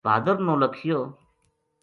بہادر نو لکھیو